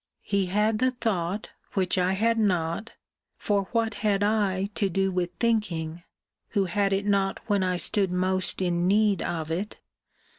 He had the thought which I had not (for what had I to do with thinking, who had it not when I stood most in need of it?)